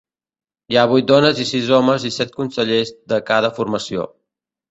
Hi ha vuit dones i sis homes i set consellers de cada formació.